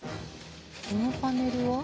このパネルは？